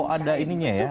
oh ada ininya ya